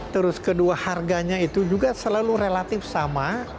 terus kedua harganya itu juga selalu relatif sama